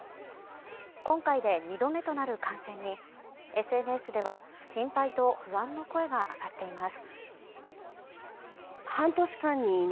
今回で２度目となる感染にＳＮＳでは心配と不安の声が上がっています。